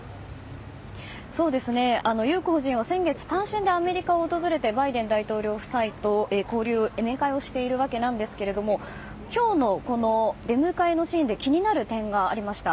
裕子夫人は先月単身でアメリカを訪れてバイデン大統領夫妻と交流・面会をしているわけなんですが今日のこの出迎えのシーンで気になる点がありました。